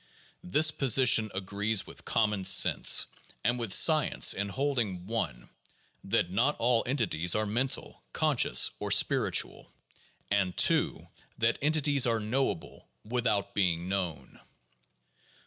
This position agrees with common sense and with science in holding (1) that not all entities are mental, conscious, or spiritual, and (2) that entities are knowable without being known.